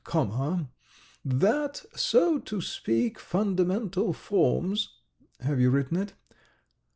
. comma ... that so to speak fundamental forms ... have you written it?